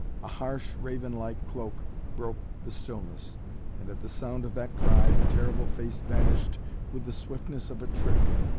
A harsh, raven like croak broke the stillness, and at the sound of that cry the terrible face vanished with the swiftness of a trick.